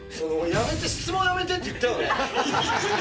やめて、質問やめてって言ったよね。